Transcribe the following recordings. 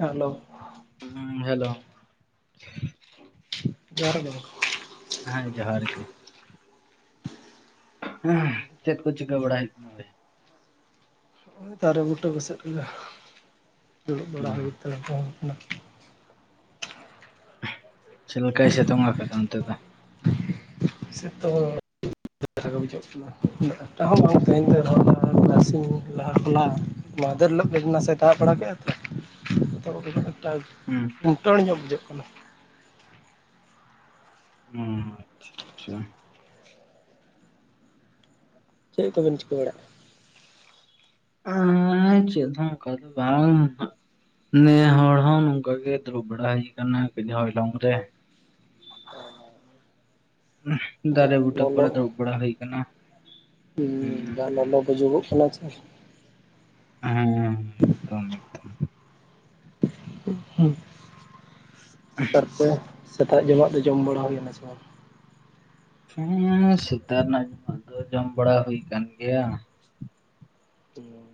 Hello ᱩ hello ᱡᱚᱦᱟᱨ ᱜᱮ ᱦᱮᱸ ᱡᱚᱦᱟᱨ ᱜᱮ ᱦᱩᱸ ᱪᱮᱫ ᱠᱚ ᱪᱤᱠᱟᱹ ᱵᱟᱲᱟᱭ ᱠᱟᱱᱟ ᱳᱭ ᱜᱚᱭ ᱛᱟᱨᱮ ᱵᱩᱴᱟᱹ ᱠᱚ ᱥᱮᱫ ᱜᱮ ᱫᱩᱲᱩᱵ ᱵᱟᱲᱟ ᱦᱩᱸ ᱦᱩᱭ ᱛᱟᱨ ᱚᱱᱟ ᱪᱮᱫᱠᱟᱭ ᱥᱤᱛᱩᱝ ᱟᱠᱟᱫᱟ ᱚᱱᱛᱮ ᱫᱚ ᱥᱮ ᱛᱚᱝ ᱵᱩᱡᱷᱟᱹᱜ ᱠᱟᱱᱟ ᱩᱱᱟᱹᱜᱴᱟ ᱦᱚᱸ ᱵᱟᱝ ᱛᱟᱦᱮᱱ ᱛᱮᱥᱤᱧ ᱞᱟᱦᱟ ᱠᱷᱚᱱᱟᱜ ᱢᱟᱦᱫᱮᱨ ᱦᱤᱞᱳᱜ ᱱᱟᱥᱮ ᱫᱟᱜ ᱵᱟᱲᱟ ᱠᱮᱫᱼᱟ ᱛᱚ ᱮᱠᱴᱟ ᱦᱩᱸ ᱠᱷᱩᱱᱴᱟᱹᱟᱹᱲ ᱧᱚᱜ ᱵᱩᱡᱷᱟᱹᱜ ᱠᱟᱱᱟ [unintelligible] ᱪᱮᱫ ᱠᱚᱵᱮᱱ ᱪᱤᱠᱟᱹ ᱵᱟᱲᱟᱜᱼᱟ ᱦᱮ ᱪᱮᱫ ᱦᱚᱸ ᱚᱱᱠᱟᱫᱚ ᱵᱟᱝ ᱦᱟᱜᱸ ᱱ ᱦᱚᱲ ᱦᱚᱸ ᱱᱚᱝᱠᱟ ᱜᱮ ᱫᱨᱩᱵ ᱵᱟᱲᱟ ᱦᱳᱭ ᱠᱟᱱᱟ ᱯᱤᱰᱟᱹ ᱦᱭ ᱞᱟᱝ ᱨᱮ ᱡᱟ ᱫᱟᱨᱮ ᱵᱩᱴᱟᱹ ᱠᱚᱨᱮ ᱫᱨᱩᱵ ᱵᱟᱲᱟ ᱦᱩᱭ ᱠᱟᱱᱟ ᱦᱸ ᱡᱟ ᱞᱚᱞᱚ ᱜᱩᱡᱩᱜᱚᱜ ᱠᱟᱱᱟ ᱪᱮ ᱦᱮᱸ ᱦᱮᱸ ᱮᱠᱫᱚᱢ ᱮᱠᱫᱚᱢ ᱦ ᱛᱮ ᱥᱮᱛᱟᱜ ᱡᱚᱢᱟᱜ ᱫᱚ ᱡᱚᱢ ᱵᱟᱲᱟ ᱦᱩᱭᱱᱟ ᱥᱮ ᱵᱟᱝ ᱦᱮᱸ ᱥᱮᱛᱟ ᱨᱮᱱᱟᱜ ᱡᱚᱢᱟᱜ ᱫᱚ ᱡᱚᱢ ᱵᱟᱲᱟ ᱦᱩᱭ ᱠᱟᱱ ᱜᱮᱭᱟ ᱦᱮᱸ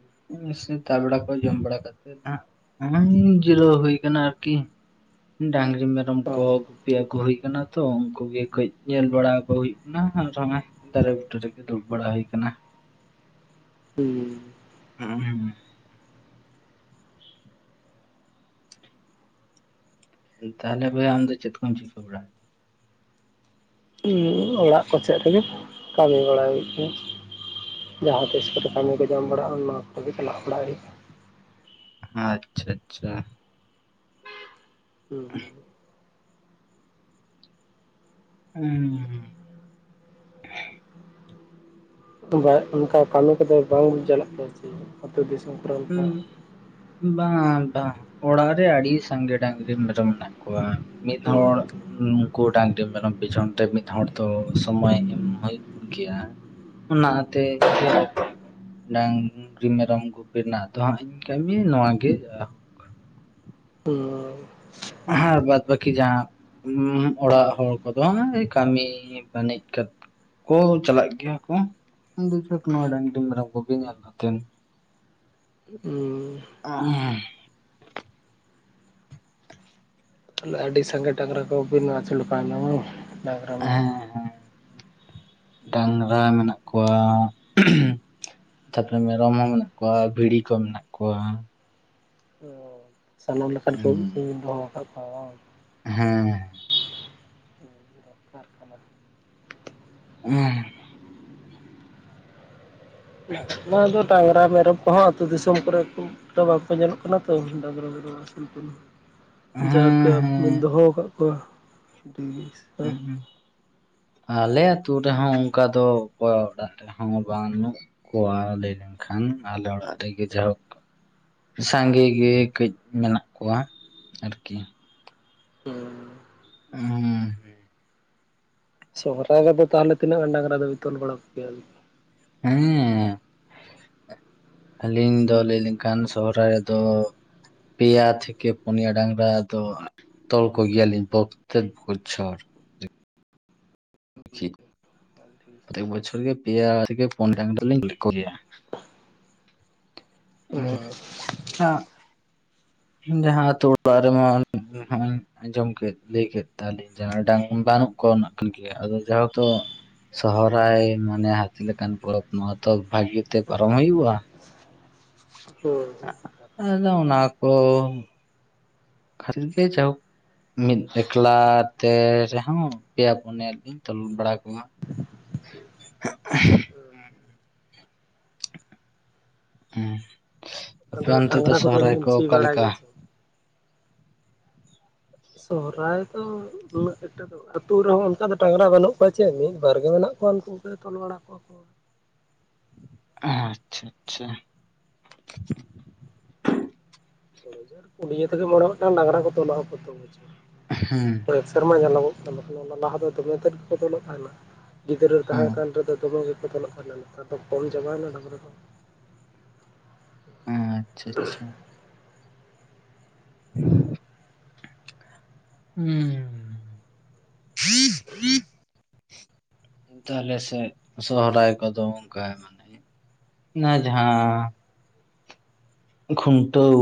ᱥᱮ ᱛᱟᱜ ᱵᱮᱲᱟ ᱠᱚ ᱡᱚᱢ ᱵᱟᱲᱟ ᱠᱟᱛᱮᱮᱫ ᱦᱟᱸᱜ ᱦ ᱡᱤᱨᱟᱹᱣ ᱦᱩᱭ ᱟᱠᱟᱱᱟ ᱟᱨᱠᱤ ᱰᱟᱝᱨᱤ ᱢᱮᱨᱚᱢ ᱠᱚ ᱵᱟᱝ ᱜᱯᱤᱭᱟ ᱟᱠᱚᱩᱭ ᱛᱚ ᱩᱱᱠᱩ ᱜᱮ ᱠᱟᱹᱡ ᱧᱮᱞ ᱵᱟᱲᱟᱠᱚ ᱦᱩᱭᱩᱜ ᱠᱟᱱᱟ ᱟᱨᱚᱸᱼᱚᱭ ᱫᱟᱨᱮ ᱵᱩᱴᱟᱹ ᱨᱮᱜᱮ ᱫᱩᱲᱩᱵ ᱵᱟᱲᱟ ᱦᱩᱭ ᱟᱠᱟᱱᱟ ᱦ ᱦᱩᱸ ᱦᱮᱸ ᱛᱟᱦᱚᱞᱮ ᱵᱟᱹᱭ ᱟᱢ ᱫᱚ ᱪᱮᱫ ᱠᱚᱢ ᱪᱤᱠᱟᱹ ᱵᱟᱲᱟᱭᱟ ᱚᱲᱟᱜ ᱠᱚᱥᱮᱫ ᱨᱮᱜᱮ ᱠᱟᱹᱢᱤ ᱵᱟᱲᱟᱟᱭ ᱦᱩᱭᱩᱜ ᱠᱟᱱ ᱡᱟᱦᱟᱸ ᱛᱤᱥ ᱠᱚᱛᱮ ᱠᱟᱹᱢᱤ ᱠᱚ ᱡᱟᱢ ᱵᱟᱲᱟᱜᱼᱟ ᱚᱱᱟ ᱠᱚᱛᱮᱜᱮ ᱪᱟᱞᱟᱣ ᱵᱟᱲᱟᱜ ᱦᱩᱭᱩᱜᱼᱟ ᱟᱪᱪᱷᱟ ᱟᱪᱪᱷᱟ ᱦᱩᱸ ᱦᱩᱸ ᱚᱱᱠᱟ ᱠᱟᱹᱢᱤ ᱠᱚᱫᱚ ᱵᱟᱝ ᱪᱟᱞᱟᱜ ᱠᱟᱱᱟ ᱥᱮ ᱦᱩᱸ ᱵᱟᱝ ᱵᱟᱝ ᱚᱲᱟᱜ ᱨᱮ ᱟᱹᱰᱤ ᱥᱟᱸᱜᱮ ᱰᱟᱝᱨᱤ ᱢᱮᱨᱚᱢ ᱢᱮᱱᱟᱜ ᱠᱚᱣᱟ ᱢᱤᱫᱦᱚᱲ ᱦᱩᱸ ᱩᱱᱠᱩ ᱰᱟᱝᱨᱤ ᱢᱮᱨᱚᱢ ᱯᱤᱪᱷᱚᱱ ᱛᱮ ᱢᱤᱫ ᱦᱚᱲ ᱫᱚ ᱥᱚᱢᱚᱭ ᱮᱢ ᱦᱩᱭᱩᱜ ᱜᱮᱭᱟ ᱚᱱᱟᱛᱮ ᱰᱟᱝᱨᱤ ᱢᱮᱨᱚᱢ ᱜ ᱨᱮᱱᱟᱜ ᱫᱚ ᱦᱟᱸᱜ ᱤᱧ ᱠᱟᱹᱢᱤ ᱱᱚᱣᱟ ᱜᱮ ᱦᱩᱸ ᱦᱮ ᱵᱟᱫ ᱵᱟᱠᱤ ᱡᱟᱦᱟᱸ ᱚᱲᱟᱜ ᱦᱚᱲ ᱠᱚᱫᱚ ᱠᱟᱹᱢᱤ ᱵᱟᱹᱱᱤᱡ ᱠᱚ ᱪᱟᱞᱟᱜ ᱜᱮᱭᱟ ᱠᱚ [unintelligible] ᱰᱟᱝᱨᱤ ᱢᱮᱨᱚᱢ ᱠᱚᱜᱮ ᱧᱮᱞ ᱠᱟᱛᱮᱫ ᱦᱩᱸ [unintelligible] ᱟᱹᱰᱤ ᱥᱟᱸᱜᱮ ᱰᱟᱝᱨᱟ ᱠᱚ ᱵᱤᱱ ᱟᱹᱥᱩᱞ ᱠᱚ ᱟᱢ ᱦᱮᱸ ᱰᱟᱝᱨᱟ ᱢᱮᱱᱟᱜ ᱠᱚᱣᱟ ᱛᱟᱯᱚᱨᱮ ᱢᱮᱨᱚᱢ ᱦᱚᱸ ᱢᱮᱱᱟᱜ ᱠᱚᱣᱟ ᱵᱷᱤᱲᱤ ᱠᱚ ᱢᱮᱱᱟᱜ ᱠᱚᱣᱟ ᱠᱚ ᱥᱟᱱᱟᱢ ᱞᱮᱠᱟᱱ ᱠᱚ ᱦᱮᱸ ᱫᱚᱦᱚ ᱟᱠᱟᱫ ᱠᱚᱣᱟ ᱵᱟᱝ ᱦᱮᱸ ᱵᱟᱝ ᱫᱚᱨᱠᱟᱨ ᱠᱟᱱᱟ [unintelligible] ᱱᱚᱣᱟ ᱫᱚ ᱰᱟᱝᱨᱟ ᱢᱮᱨᱚᱢ ᱠᱚᱦᱚᱸ ᱟᱹᱛᱩ ᱫᱤᱥᱚᱢ ᱠᱚᱨᱮ ᱠᱚ ᱵᱟᱝᱠᱚ ᱧᱮᱞᱚᱜ ᱠᱟᱱᱟ ᱛᱚ ᱰᱟᱝᱨᱟ ᱢᱮᱨᱚᱢ ᱟᱹᱥᱩᱞ ᱠᱚ ᱦᱮᱸ ᱡᱟᱜᱮ ᱟᱵᱤᱱ ᱵᱚᱱ ᱫᱚᱦᱚ ᱟᱠᱟᱟᱜ ᱠᱚᱣᱟ ᱦᱮᱸ ᱟᱞᱮ ᱟᱛᱳ ᱨᱮᱦᱚ ᱚᱱᱠᱟ ᱫᱚ ᱚᱠᱚᱭ ᱚᱲᱟᱜ ᱨᱮᱦᱚᱸ ᱵᱟᱹᱱᱩᱜ ᱠᱚᱣᱟ ᱞᱟᱹᱭ ᱞᱮᱱᱠᱷᱟᱱ ᱟᱞᱮ ᱚᱲᱟᱜ ᱨᱮᱜᱮ ᱡᱟᱭᱦᱳᱠ ᱥᱟᱸᱜᱮ ᱜᱮ ᱠᱟᱹᱡ ᱢᱮᱱᱟᱜ ᱠᱚᱣᱟ ᱟᱨᱠᱤ ᱦᱮ [unintelligible] ᱥᱚᱦᱨᱟᱭ ᱨᱮᱫᱚ ᱛᱟᱦᱚᱞᱮ ᱛᱤᱱᱟᱹᱜ ᱜᱟᱱ ᱰᱟᱝᱨᱟ ᱫᱚᱭ ᱛᱚᱞ ᱵᱟᱲᱟ ᱠᱚᱜᱮᱭᱟ ᱟᱨᱠᱤ ᱦᱮᱸ ᱟᱹᱞᱤᱧ ᱫᱚ ᱞᱟᱹᱭ ᱞᱮᱱᱠᱷᱟᱱ ᱥᱚᱦᱨᱟᱭ ᱨᱮᱫᱚ ᱯᱮᱭᱟ ᱛᱷᱮ ᱯᱚᱱᱤᱭᱟ ᱰᱟᱝᱨᱟ ᱫᱚ ᱛᱚᱞ ᱠᱚᱜᱮ ᱟᱞᱤᱧ ᱯᱨᱚᱛᱮᱠ ᱵᱚᱪᱷᱳᱨ ᱯᱨᱚᱛᱮᱠ ᱵᱚᱪᱷᱚᱨ ᱜᱮ ᱯᱮᱭᱟ ᱛᱷᱮᱠᱮ ᱯᱳᱱᱭᱟ ᱞᱤᱧ ᱛᱚᱞ ᱠᱚᱜᱮᱭᱟ [unintelligible] [unintelligible] ᱡᱟᱦᱟ ᱚᱛᱳ ᱚᱲᱟᱜ ᱨᱮᱢᱟᱢ ᱟᱸᱡᱚᱢ ᱠᱮᱫ ᱞᱟᱹᱭ ᱠᱮᱫ ᱛᱟᱞᱤᱧ ᱡᱟᱦᱟᱸ ᱰᱟᱝ ᱵᱟᱹᱱᱩᱜ ᱠᱚ ᱠᱚᱱᱟᱜ ᱠᱟᱱ ᱜᱮᱭᱟ ᱟᱫᱚ ᱡᱟᱦᱟ ᱦᱚᱛᱚ ᱥᱚᱦᱨᱟᱭ ᱢᱟᱱᱮ ᱦᱟᱹᱛᱤ ᱞᱮᱠᱟᱱ ᱯᱚᱨᱚᱵᱽ ᱱᱚᱣᱟ ᱫᱚ ᱵᱷᱟᱹᱜᱤᱛᱮ ᱯᱟᱨᱚᱢ ᱦᱩᱭᱩᱜᱼᱟ ᱦᱳᱭ ᱦᱳᱭ ᱟᱫᱚ ᱚᱱᱟᱠᱚ ᱠᱷᱟᱹᱞᱤ ᱜᱮ ᱡᱟᱣ ᱢᱤᱫ ᱮᱠᱞᱟ ᱛᱮ ᱨᱮᱦᱚᱸ ᱯᱮᱭᱟ ᱯᱩᱱᱭᱟ ᱞᱤᱧ ᱛᱚᱞ ᱵᱟᱲᱟ ᱠᱚᱣᱟ [unintelligible] ᱦᱩᱸ ᱟᱯᱮ ᱟᱫᱚ ᱚᱱᱛᱮ ᱫᱚ ᱰᱟᱝᱨᱟ ᱠᱚᱫᱚ ᱥᱚᱦᱨᱟᱭ ᱵᱤᱱ ᱠᱚ ᱥᱤ ᱵᱟᱲᱟᱭ ᱚᱠᱟᱞᱮᱠᱟ ᱜᱮᱭᱟ ᱥᱮ ᱵᱟᱝ? ᱥᱚᱦᱨᱟᱭ ᱫᱚ ᱩᱱᱟᱹᱜ ᱚᱠᱴᱟ ᱫᱚ ᱟᱹᱛᱩ ᱨᱮᱦᱚᱸ ᱚᱱᱠᱟ ᱫᱚ ᱰᱟᱝᱨᱟ ᱵᱟᱹᱱᱩᱜ ᱠᱚᱣᱟ ᱪᱮᱫ ᱢᱤᱫᱵᱟᱨ ᱜᱮ ᱢᱮᱱᱟᱜ ᱠᱚᱣᱟ ᱩᱱᱠᱩᱜᱮ ᱛᱚᱞ ᱵᱟᱲᱟ ᱠᱚᱣᱟ ᱠᱚ [inaudible] ᱟᱪᱪᱷᱟ ᱟᱪᱪᱷᱟ ᱯᱩᱱᱭᱟᱹ ᱛᱮᱜᱮ ᱢᱚᱬᱮ ᱜᱚᱴᱟᱝ ᱰᱟᱝᱨᱟ ᱠᱚ ᱛᱚᱞᱚᱜ ᱟᱠᱚ ᱛᱚ ᱯᱨᱚᱛᱮᱠ ᱦᱮᱸ ᱵᱚᱪᱷᱚᱨ ᱥᱮᱨᱢᱟ ᱧᱮᱞᱚᱜᱼᱟ ᱚᱱᱟ ᱞᱟᱦᱟ ᱫᱚᱢᱮ ᱛᱮᱫ ᱜᱮ ᱵᱚᱫᱚᱞᱚᱜ ᱛᱟᱦᱮᱱᱟ ᱜᱤᱫᱽᱨᱟᱹ ᱛᱟᱦᱮᱸ ᱦᱮᱸ ᱠᱟᱱ ᱨᱮᱫᱚ ᱫᱚᱢᱮ ᱱᱮᱛᱟᱨ ᱫᱚ ᱠᱚᱢ ᱪᱟᱵᱟᱭᱮᱱᱟ ᱰᱟᱝᱨᱟ ᱦᱚᱸ ᱚ ᱟᱪᱪᱷᱟ ᱟᱪᱪᱷᱟ [inaudible] ᱛᱟᱦᱞᱮ ᱥᱮ ᱥᱚᱦᱨᱟᱭ ᱠᱚᱫᱚ ᱚᱱᱠᱟᱭ ᱢᱟᱱᱮ ᱱᱚᱟ ᱡᱟᱦᱟ ᱠᱷᱩᱱᱴᱟᱹᱣ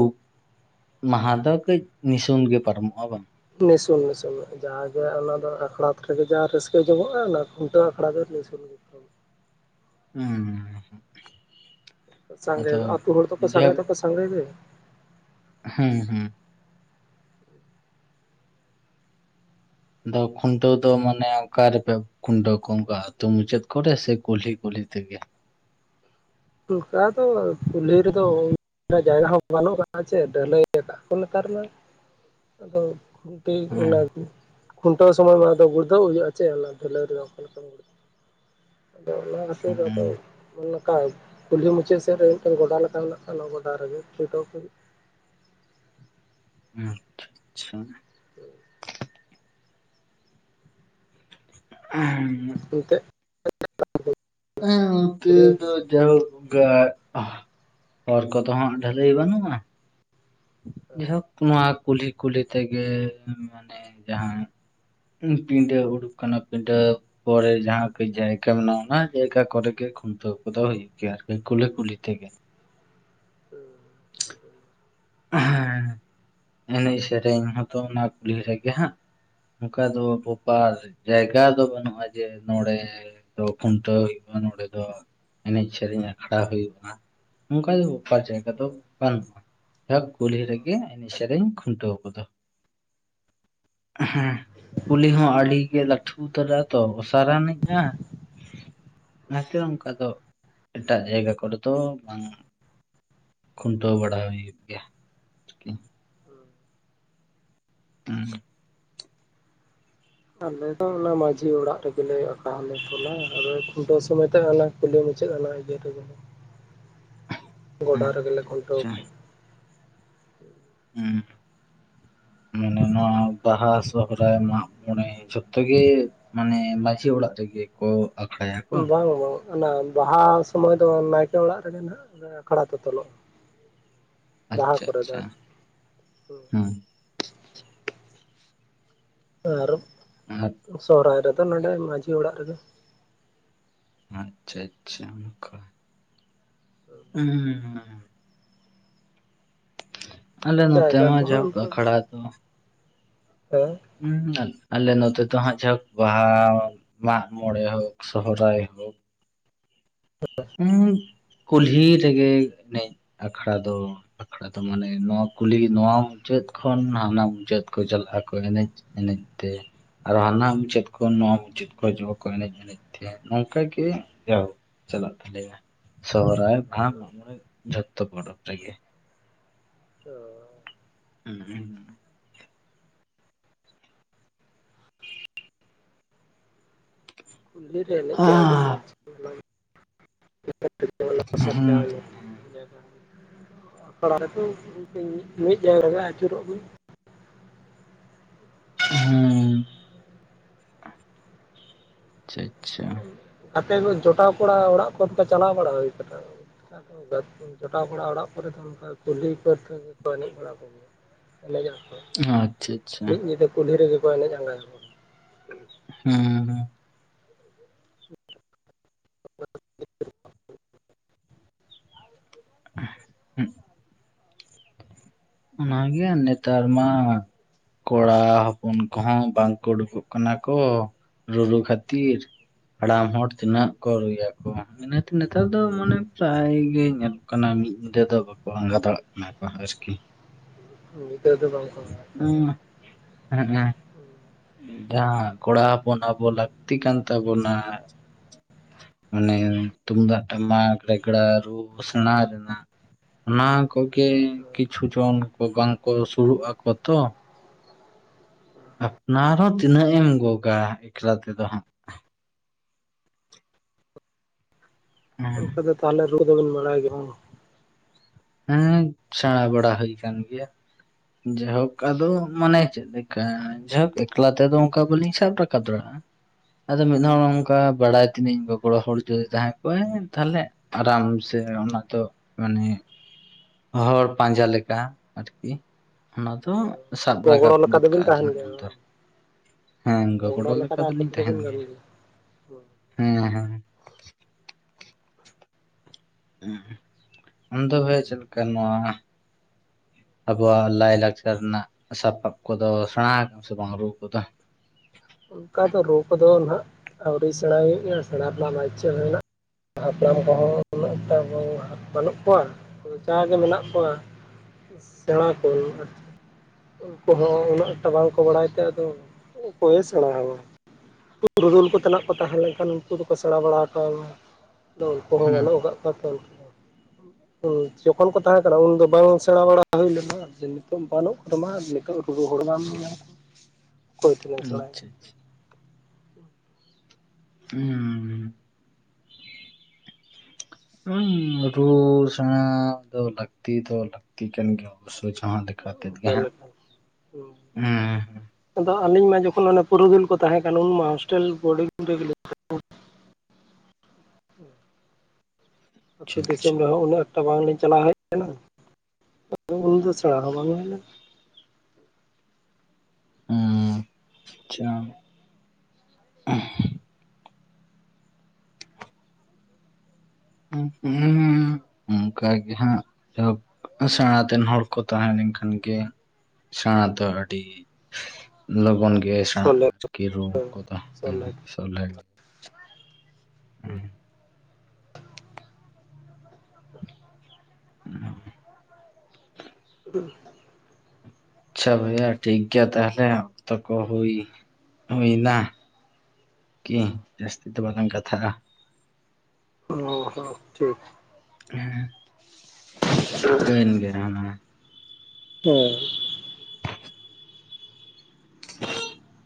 ᱢᱟᱦᱟ ᱫᱚ ᱠᱟᱹᱡ ᱱᱩᱥᱟᱹᱱ ᱜᱮ ᱯᱟᱨᱚᱢᱚᱜᱼᱟ ᱵᱟᱝ ᱱᱤᱥᱩᱱ ᱱᱤᱥᱩᱱ ᱡᱟᱦᱟ ᱜᱮ ᱚᱱᱟ ᱫᱚ ᱟᱠᱷᱲᱟ ᱨᱮᱜᱮ ᱡᱟᱦᱟᱸ ᱨᱟᱹᱥᱠᱟᱹ ᱡᱚᱢᱚᱜᱼᱟ ᱚᱱᱟ ᱠᱷᱩᱱᱴᱟᱹᱣ ᱟᱠᱷᱲᱟ ᱫᱚ ᱱᱤᱥᱩᱱ ᱜᱮ [unintelligible] ᱥᱟᱜᱮ ᱟᱫᱚ ᱚᱹᱛᱳ ᱦᱚᱲ ᱫᱚᱠᱚ ᱥᱟᱜᱮ ᱫᱚᱠᱚ ᱥᱟᱜᱮ ᱜᱮ ᱦᱩ ᱦᱩ ᱫᱚ ᱠᱷᱩᱱᱴᱟᱹᱣ ᱫᱚ ᱢᱟᱱᱮ ᱚᱠᱟ ᱨᱮᱯᱮ ᱠᱷᱩᱱᱹᱴᱟᱶ ᱠᱚᱶᱟ ᱚᱱᱠᱟ ᱟᱹᱛᱳ ᱢᱩᱪᱟᱹᱫ ᱠᱚᱨᱮ ᱥᱮ ᱠᱩᱞᱦᱤ ᱠᱚᱨᱮ [inaudible] ᱛᱮᱜᱮ ᱚᱱᱟᱠᱟ ᱫᱚ ᱠᱩᱞᱦᱤ ᱨᱮᱫᱚ ᱡᱟᱭᱹᱜᱟ ᱦᱚᱸ ᱵᱟᱱᱹᱩᱜ ᱠᱟᱱᱟ ᱪᱮ ᱰᱷᱟᱹᱞᱟᱹᱭ ᱟᱠᱟᱜ ᱟᱠᱚ ᱱᱮᱛᱟᱨ ᱫᱚ ᱦᱩᱸ [inaudible] ᱠᱷᱩᱱᱴᱟᱹᱣ ᱥᱚᱢᱚᱭ ᱢᱟᱫᱚ ᱜᱩᱲᱹᱫᱷᱟᱶ ᱦᱩᱭᱩᱜᱼᱟ ᱪᱮ ᱚᱱᱟ ᱰᱷᱟᱹᱞᱟᱹᱭ ᱨᱮᱫᱚ ᱚᱠᱟ ᱞᱮᱠᱟᱢ [inaudible] [inaudible] ᱚᱱᱟ ᱠᱷᱟᱹᱛᱤᱨ ᱦᱩᱸ ᱟᱫᱚ [inaudible] ᱠᱩᱞᱦᱤ ᱢᱩᱪᱟᱹᱫ ᱥᱮᱫ ᱨᱮ ᱢᱤᱫᱴᱮᱱ ᱜᱚᱰᱟ ᱞᱮᱠᱟ ᱢᱮᱱᱟᱜ - ᱟ ᱚᱱᱟ ᱜᱚᱰᱟ ᱨᱮᱜᱮ [inaudible] ᱟᱪᱪᱷᱟ ᱟᱪᱪᱷᱟ [unintelligible] [unintelligible] [unintelligible] ᱮᱱᱛᱮᱫ ᱦᱮᱸ ᱚᱛᱮ ᱠᱩᱲᱤ ᱫᱚ ᱡᱟᱹᱲᱩᱲ ᱦᱚᱨ ᱠᱚᱫᱚ ᱦᱟᱸᱜ ᱰᱷᱟᱹᱞᱟᱹᱭ ᱵᱟᱹᱱᱩᱜᱼᱟ ᱡᱟᱦᱳᱠ ᱱᱚᱣᱟ ᱠᱩᱞᱦᱤ ᱠᱩᱞᱦᱤ ᱛᱮᱜᱮ ᱢᱟᱱᱮ ᱡᱟᱦᱟᱸ ᱯᱤᱰᱟᱹ ᱩᱰᱩᱠ ᱠᱟᱱᱟ ᱯᱤᱸᱰᱟᱹ ᱯᱚᱨᱮ ᱡᱟᱦᱟᱸ ᱠᱟᱡ ᱡᱟᱭᱹᱜᱟ ᱢᱮᱱᱟᱜᱼᱟ ᱚᱱᱟ ᱡᱟᱭᱹᱜᱟ ᱠᱚᱨᱮ ᱜᱮ ᱠᱷᱩᱱᱹᱛᱟᱶ ᱠᱚᱫᱚ ᱦᱩᱭᱩᱜ ᱜᱮᱭᱟ ᱟᱨᱠᱤ ᱠᱩᱞᱦᱤ ᱠᱩᱞᱦᱤ ᱛᱮᱜᱮ ᱦᱮᱸ ᱮᱱᱮᱡ ᱥᱮᱨᱮᱧ ᱦᱚᱸᱛᱚ ᱚᱱᱟ ᱠᱩᱞᱦᱤ ᱨᱮᱜᱮ ᱦᱟᱸᱜ ᱚᱱᱠᱟ ᱫᱚ ᱵᱟᱨ ᱡᱟᱭᱜᱟ ᱫᱚ ᱵᱟᱹᱱᱩᱜᱼᱟ ᱡᱮ ᱱᱚᱰᱮ ᱫᱚ ᱠᱷᱩᱱᱴᱟᱹᱣ ᱦᱩᱭᱩᱜᱼᱟ ᱱᱚᱰᱮ ᱫᱚ ᱮᱱᱮᱡ ᱥᱮᱨᱮᱧ ᱟᱠᱷᱲᱟ ᱦᱩᱭᱩᱜᱼᱟ ᱚᱱᱠᱟ ᱫᱚ ᱚᱠᱟ ᱡᱟᱭᱜᱟ ᱫᱚ ᱵᱟᱹᱱᱩᱜᱼᱟ ᱡᱟᱹᱦᱳᱠ ᱠᱩᱞᱦᱤ ᱨᱮᱜᱮ ᱮᱱᱮᱡ ᱥᱮᱨᱮᱧ ᱠᱷᱩᱱᱴᱟᱹᱣ ᱠᱚᱫᱚ ᱦᱮᱸ ᱠᱩᱞᱦᱤ ᱦᱚᱸ ᱟᱹᱰᱤᱜᱮ ᱞᱟᱹᱴᱷᱩ ᱩᱛᱟᱹᱨᱟ ᱛᱚ ᱚᱥᱟᱨᱟᱱᱤᱡᱼᱟ ᱚᱱᱟᱛᱮ ᱚᱱᱠᱟ ᱫᱚ ᱮᱴᱟᱜ ᱡᱟᱭᱜᱟ ᱠᱚᱨᱮ ᱫᱚ ᱵᱟᱝ ᱠᱷᱩᱱᱴᱟᱹᱣ ᱵᱟᱲᱟ ᱦᱩᱭᱩᱜ ᱜᱮᱭᱟ ᱦᱩ ᱟᱞᱮ ᱫᱚ ᱚᱱᱟ ᱢᱟᱺᱡᱷᱤ ᱚᱲᱟᱜ ᱨᱮᱜᱮᱞᱮ ᱟᱠᱟ [inaudible] [inaudible] ᱜᱚᱰᱟ ᱟᱪᱪᱷᱟ ᱨᱮᱜᱮᱞᱮ ᱠᱷᱩᱱᱴᱟᱹᱣ ᱟᱪᱪᱷᱟ ᱠᱚᱣᱟ ᱦᱩᱸ ᱢᱟᱱᱮ ᱱᱚᱣᱟ ᱵᱟᱦᱟ ᱥᱚᱦᱨᱟᱭ ᱢᱟᱜ ᱢᱚᱬᱮ ᱡᱷᱚᱛᱚ ᱜᱮ ᱢᱟᱱᱮ ᱢᱟᱺᱡᱷᱤ ᱚᱲᱟᱜ ᱨᱮᱜᱮ [inaudible] ᱟᱠᱷᱹᱲᱟᱭ ᱟᱠᱚ ᱵᱟᱝ ᱵᱟᱝ ᱚᱱᱟ ᱵᱟᱦᱟ ᱥᱚᱢᱚᱭ ᱫᱚ ᱱᱟᱭᱠᱮ ᱚᱲᱟᱜ ᱨᱮᱜᱮ ᱱᱟᱜ ᱟᱠᱹᱷᱲᱟ ᱫᱚ ᱛᱚᱞᱚᱜᱼᱟ ᱵᱟᱦᱟ ᱟᱪᱪᱷᱟ ᱠᱚᱨᱮ ᱫᱚ ᱟᱪᱪᱷᱟ ᱟᱨᱠᱤ [inaudible] ᱦᱮᱸ ᱟᱨ ᱟᱨ ᱚ ᱥᱚᱦᱹᱨᱟᱭ ᱨᱮᱫᱚ ᱱᱚᱰᱮ ᱢᱟᱹᱡᱷᱤ ᱚᱲᱟᱜ ᱨᱮᱜᱮ ᱟᱪᱪᱷᱟ ᱟᱪᱪᱷᱟ [inaudible] ᱦᱩ ᱦᱩ ᱦᱩ ᱟᱞᱮ ᱱᱚᱛᱮ ᱡᱟᱭᱜᱟ ᱢᱟ ᱠᱚᱦᱚᱸ ᱡᱟᱹᱦᱳᱠ ᱚᱱᱠᱟ ᱟᱠᱹᱷᱲᱟ ᱫᱚ ᱦᱮᱸ [inaudible] ᱟᱞᱮ ᱱᱚᱛᱮ ᱫᱚ ᱦᱟᱸᱜ ᱡᱟᱦᱳᱠ ᱵᱟᱦᱟ ᱢᱟᱜ ᱢᱚᱬᱮ ᱦᱳᱠ ᱥᱚᱦᱨᱟᱭ ᱦᱳᱠ [inaudible] ᱠᱩᱞᱹᱦᱤ ᱨᱮᱜᱮ ᱮᱱᱮᱡ ᱟᱠᱷᱲᱟ ᱫᱚ ᱟᱠᱷᱹᱲᱟ ᱫᱚ ᱢᱟᱱᱮ ᱱᱚᱣᱟ ᱠᱩᱞᱦᱤ ᱱᱚᱣᱟ ᱢᱩᱪᱟᱹᱫ ᱢᱩᱪᱟᱹᱫ ᱠᱷᱚᱱ ᱦᱟᱱᱟ ᱢᱩᱪᱟᱹᱫ ᱠᱚ ᱪᱟᱞᱟᱜ ᱟᱠᱚ ᱮᱱᱮᱡ ᱮᱱᱮᱡ ᱛᱮ ᱟᱨᱚ ᱦᱟᱱᱟ ᱢᱩᱪᱟᱹᱫ ᱠᱷᱚᱱ ᱱᱚᱣᱟ ᱢᱩᱪᱟᱹᱫ ᱠᱚ ᱦᱤᱡᱩᱜ ᱠᱚ ᱮᱱᱮᱡ ᱮᱱᱮᱡ ᱛᱮ ᱱᱚᱝᱠᱟ ᱜᱮ ᱡᱟᱦᱳᱠ ᱪᱟᱞᱟᱜ ᱛᱟᱞᱮᱭᱟ ᱥᱚᱦᱚᱨᱟᱭ ᱵᱟ ᱢᱟᱜ ᱢᱚᱬᱮ ᱡᱷᱚᱛᱚ ᱯᱚᱨᱚᱵᱽ ᱨᱮᱜᱮ ᱚ [unintelligible] ᱠᱩᱞᱹᱦᱤ ᱨᱮ ᱮᱱᱮᱡ ᱡᱚ ᱟᱹᱰᱤ ᱢᱚᱡᱽ [inaudible] [unintelligible] ᱟᱠᱷᱲᱟ ᱨᱮᱫᱚ ᱢᱤᱫ ᱡᱟᱭᱜᱟ ᱨᱮᱜᱮ ᱟᱹᱪᱩᱨᱚᱜ ᱵᱤᱱ ᱦᱮᱸ ᱟᱪᱪᱷᱟ ᱟᱪᱪᱷᱟ ᱟᱯᱮ ᱠᱚ ᱡᱚᱴᱟᱣ ᱠᱚᱲᱟ ᱚᱲᱟᱜ ᱠᱷᱚᱱ ᱯᱮ ᱪᱟᱞᱟᱣ ᱵᱟᱲᱟ ᱦᱩᱭ ᱟᱠᱟᱱᱟ ᱡᱚᱴᱟᱣ ᱵᱟᱲᱟ ᱚᱲᱟᱜ ᱠᱚᱨᱮ ᱫᱚ ᱚᱱᱠᱟ ᱠᱩᱞᱦᱤ ᱠᱚᱨᱮ ᱜᱮᱠᱚ ᱮᱱᱮᱡ ᱵᱟᱲᱟ ᱠᱚᱜ ᱜᱮᱭᱟ ᱮᱱᱮᱡ ᱟᱠᱚ ᱟᱪᱪᱷᱟ ᱟᱪᱪᱷᱟ ᱢᱤᱫ ᱧᱤᱫᱟᱹ ᱠᱩᱞᱦᱤ ᱨᱮᱜᱮ ᱠᱚ ᱮᱱᱮᱡ ᱟᱸᱜᱟᱭᱟ ᱦᱮᱸ ᱦᱮᱸ [unintelligible] ᱦᱮᱸ ᱚᱱᱟᱜᱮ ᱱᱮᱛᱟᱨ ᱢᱟ ᱠᱚᱲᱟ ᱦᱚᱯᱚᱱ ᱠᱚᱦᱚᱸ ᱵᱟᱝᱠᱚ ᱩᱸᱰᱩᱠᱚᱜ ᱠᱟᱱᱟ ᱠᱚ ᱨᱩᱨᱩ ᱠᱷᱟᱹᱛᱤᱨ ᱦᱟᱲᱟᱢ ᱦᱚᱲ ᱛᱤᱱᱟᱹᱜ ᱠᱚ ᱨᱩᱭᱟᱠᱚ ᱤᱱᱟᱹᱛᱮ ᱱᱮᱛᱟᱨ ᱫᱚ ᱢᱟᱱᱮ ᱯᱨᱟᱭ ᱜᱮ ᱧᱮᱞᱚᱜ ᱠᱟᱱᱟ ᱢᱤᱫ ᱧᱤᱫᱷᱟᱹ ᱫᱚ ᱵᱟᱠᱚ ᱟᱸᱜᱟ ᱫᱟᱲᱮᱭᱟᱜ ᱠᱟᱱᱟ ᱠᱚ ᱟᱨᱠᱤ ᱜᱤᱫᱟᱹᱨ ᱫᱚ ᱵᱟᱝ ᱠᱚ ᱦᱮᱸ ᱡᱟᱦᱟᱸ ᱠᱚᱲᱟ ᱦᱚᱯᱚᱱ ᱟᱵᱚ ᱞᱟᱹᱠᱛᱤ ᱠᱟᱱ ᱛᱟᱵᱚᱱᱟ ᱢᱟᱱᱮ ᱛᱩᱢᱫᱟ ᱴᱟᱢᱟᱠ ᱨᱮᱜᱲᱟ ᱨᱩ ᱥᱮᱬᱟ ᱨᱮᱱᱟᱜ ᱚᱱᱟ ᱠᱚᱜᱮ ᱠᱤᱪᱷᱩ ᱡᱚᱱ ᱵᱟᱝ ᱠᱚ ᱥᱩᱨᱩᱜ ᱟᱠᱚ ᱛᱚ ᱟᱯᱱᱟᱨ ᱦᱚᱸ ᱛᱤᱱᱟᱹᱜ ᱮᱢ ᱜᱚᱜ-ᱟ ᱮᱠᱞᱟ ᱛᱮᱫᱚ ᱦᱟᱸᱜ ᱚᱱᱠᱟ ᱫᱚ ᱛᱟᱦᱚᱞᱮ ᱨᱩ ᱫᱚᱵᱮᱱ ᱵᱟᱲᱟᱭ ᱜᱮ ᱵᱟᱝ ᱦᱮᱸ ᱥᱮᱬᱟ ᱵᱟᱲᱟ ᱦᱩᱭ ᱠᱟᱱ ᱜᱮᱭᱟ ᱡᱟᱭᱦᱳᱠ ᱟᱫᱚ ᱢᱟᱱᱮ ᱪᱮᱫ ᱞᱮᱠᱟ ᱡᱟᱭᱦᱳᱠ ᱮᱠᱞᱟ ᱛᱮᱫᱚ ᱚᱱᱠᱟ ᱵᱟᱹᱞᱤᱧ ᱥᱟᱵ ᱨᱟᱠᱟᱵ ᱫᱟᱲᱮᱭᱟᱜ-ᱟ ᱟᱫᱚ ᱢᱤᱫ ᱦᱚᱲ ᱚᱱᱠᱟ ᱵᱟᱲᱟᱭ ᱛᱤᱱᱟᱹᱡ ᱜᱚᱲᱚ ᱦᱚᱲ ᱡᱩᱫᱤ ᱛᱟᱦᱮᱸ ᱠᱚᱜ-ᱟᱭ ᱛᱟᱦᱚᱞᱮ ᱟᱨᱟᱢ ᱥᱮ ᱚᱱᱟ ᱫᱚ ᱢᱟᱱᱮ ᱦᱚᱲ ᱯᱟᱸᱡᱟ ᱞᱮᱠᱟ ᱟᱨᱠᱤ ᱚᱱᱟ ᱫᱚ ᱥᱟᱵ ᱨᱟᱠᱟᱵ ᱜᱚᱜᱽᱲᱚ ᱞᱮᱠᱟ ᱜᱚᱫ ᱫᱚᱵᱤᱱ ᱠᱟᱜ-ᱟ ᱛᱟᱦᱮᱱ ᱞᱤᱧ ᱜᱮᱭᱟ ᱩᱱ ᱫᱚ ᱵᱟᱝ? ᱦᱮᱸ ᱜᱚᱜᱽᱲᱚ ᱜᱚᱲᱚ ᱞᱮᱠᱟ ᱫᱚ ᱟᱯᱮ ᱫᱚᱞᱤᱧ ᱛᱟᱦᱮᱱ ᱠᱚᱫᱚᱵᱤᱱ ᱜᱟᱱ ᱜᱮᱭᱟ ᱦᱮᱸ ᱦᱮᱸ ᱦᱮᱸ ᱟᱢᱫᱚ ᱦᱮᱸ ᱪᱮᱫ ᱞᱮᱠᱟ ᱱᱚᱣᱟ ᱟᱵᱚᱣᱟᱜ ᱞᱟᱭ-ᱞᱟᱠᱪᱟᱨ ᱨᱮᱱᱟᱜ ᱥᱟᱯᱟᱵ ᱠᱚᱫᱚ ᱥᱮᱬᱟ ᱟᱠᱟᱜ ᱟᱢ ᱥᱮ ᱵᱟᱝ ᱨᱩ ᱠᱚᱫᱚ [unintelligible] ᱚᱱᱠᱟ ᱫᱚ ᱨᱩ ᱠᱚᱫᱚ ᱦᱟᱸᱜ ᱟᱹᱣᱨᱤ ᱥᱮᱬᱟᱭ ᱦᱩᱭᱩᱜ-ᱟ ᱥᱮᱬᱟ ᱨᱮᱱᱟᱜ ᱢᱟ ᱤᱪᱪᱷᱟᱹ ᱢᱮᱱᱟᱜ ᱦᱟᱯᱲᱟᱢ ᱠᱚᱦᱚᱸ ᱩᱱᱟᱹᱜ ᱴᱟ ᱵᱟᱹᱱᱩᱜ ᱠᱚᱣᱟ ᱡᱟᱜᱮ ᱢᱮᱱᱟᱜ ᱠᱚᱣᱟ ᱤᱥ ᱥᱮᱬᱟ ᱠᱚ ᱩᱱᱠᱩ ᱦᱚᱸ ᱩᱱᱟᱹᱜ ᱮᱠᱴᱟ ᱵᱟᱝᱠᱚ ᱵᱟᱲᱟᱭ ᱛᱮ ᱟᱫᱚ ᱚᱠᱚᱭ ᱮ ᱥᱮᱬᱟ ᱟᱵᱚᱣᱟ ᱯᱩᱨᱩᱫᱩᱞ ᱠᱚ ᱛᱮᱱᱟᱜ ᱠᱚ ᱛᱟᱦᱮᱸ ᱞᱮᱱᱠᱷᱟᱱ ᱩᱱᱠᱩ ᱫᱚᱠᱚ ᱥᱮᱬᱟ ᱵᱟᱲᱟ ᱟᱠᱟᱣᱱᱟ ᱩᱱᱠᱩ ᱦᱚᱸ ᱦᱮᱸ ᱵᱟᱹᱱᱩᱜ ᱟᱠᱟᱫ ᱠᱚᱣᱟ ᱛᱚ [inaudible] ᱦᱮᱸ ᱡᱚᱠᱷᱚᱱ ᱠᱚ ᱛᱟᱦᱮᱸ ᱠᱟᱱᱟ ᱩᱱᱫᱚ ᱵᱟᱝ ᱥᱮᱬᱟ ᱵᱟᱲᱟ ᱦᱩᱭ ᱞᱮᱱᱟ ᱥᱮ ᱱᱤᱛᱚᱜ ᱵᱟᱹᱱᱩᱜ ᱠᱚᱢᱟ ᱱᱤᱛᱚᱜ ᱩ ᱦᱚᱲᱩ ᱵᱟᱢ ᱤᱭᱟᱹ [inaudible] ᱚᱠᱚᱭ ᱴᱷᱮᱱ ᱮᱢ ᱥᱮᱬᱟᱭᱟ ᱟᱪᱪᱷᱟ ᱦᱩᱸ ᱦᱮᱸ ᱨᱩ ᱥᱮᱬᱟ ᱫᱚ ᱞᱟᱹᱠᱛᱤ ᱫᱚ ᱞᱟᱹᱠᱛᱤ ᱠᱟᱱ ᱜᱮᱭᱟ ᱚᱵᱚ ᱞᱮᱠᱟᱛᱮᱫ ᱜᱮ ᱚᱱᱠᱟ ᱦᱟᱸᱜ ᱞᱮᱠᱟ ᱟᱫᱚ ᱟᱹᱞᱤᱧ ᱢᱟ ᱡᱚᱠᱷᱚᱱ ᱚᱱ ᱯᱩᱨᱩᱫᱩᱞ ᱠᱚ ᱛᱟᱦᱮᱸ ᱠᱟᱱ ᱩᱱᱢᱟ ᱦᱳᱥᱴᱮᱞ ᱵᱳᱰᱤᱝ ᱨᱮᱜ ᱟᱹᱛᱩ ᱟᱪᱪᱷᱟ ᱫᱤᱥᱚᱢ ᱟᱪᱪᱷᱟ ᱨᱮᱦᱚᱸ ᱩᱱᱟᱹᱜ ᱵᱟᱝᱞᱤᱧ ᱪᱟᱞᱟᱣ ᱦᱮᱡ ᱠᱟᱱᱟ ᱩᱱ ᱫᱚ ᱥᱮᱬᱟ ᱦᱚᱸ ᱵᱟᱝ ᱦᱩᱭᱱᱟ ᱦᱮᱸ ᱟᱪᱪᱷᱟ ᱦᱩᱸ ᱚᱱᱠᱟᱜ ᱜᱮ ᱦᱟᱸᱜ ᱮᱦᱚᱵ ᱥᱮᱬᱟᱛᱮᱱ ᱦᱚᱲ ᱠᱚ ᱛᱟᱦᱮᱸ ᱞᱮᱱᱠᱷᱟᱱ ᱜᱮ ᱥᱮᱬᱟ ᱫᱚ ᱟᱹᱰᱤ ᱞᱚᱜᱚᱱ ᱜᱮ ᱥᱮᱬᱟ ᱥᱚᱞᱦᱮ ᱟᱨᱠᱤ ᱨᱩᱢ ᱠᱚᱫᱚ ᱦᱮᱸ ᱥᱚᱞᱦᱮ ᱥᱚᱞᱮ ᱦᱩᱸ ᱚᱻ ᱦᱻ ᱟᱪᱪᱷᱟ ᱵᱷᱚᱭᱭᱟ ᱴᱷᱤᱠ ᱜᱮᱭᱟ ᱛᱟᱦᱞᱮ ᱚᱠᱛᱚ ᱠᱚ ᱦᱩᱭ ᱦᱩᱭ ᱮᱱᱟ ᱠᱤ ᱡᱟᱹᱥᱛᱤ ᱫᱚ ᱵᱟᱝᱞᱟᱝ ᱠᱟᱛᱷᱟᱜ ᱟ ᱚ ᱦᱚ ᱴᱷᱤᱠ ᱦᱮᱸ ᱴᱤᱠᱟᱱ ᱜᱮ ᱚᱻ ᱻ